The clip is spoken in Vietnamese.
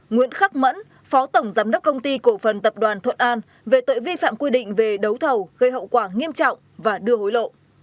nguyễn khắc mẫn phó tổng giám đốc công ty cổ phần tập đoàn thuận an về tội vi phạm quy định về đấu thầu gây hậu quả nghiêm trọng và đưa hối lộ